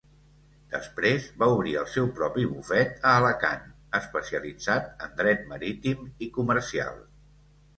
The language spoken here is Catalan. Després va obrir el seu propi bufet a Alacant especialitzat en dret marítim i comercial.